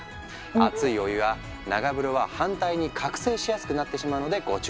熱いお湯や長風呂は反対に覚醒しやすくなってしまうのでご注意を。